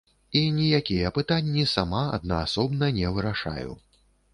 Я ніякія пытанні сама аднаасобна не вырашаю.